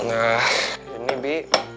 nah ini bi